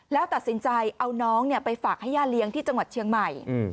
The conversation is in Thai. แล้วตัดสินใจเอาน้องไปฝากให้ย่าเลี้ยงที่จังหวัดเชียงใหม่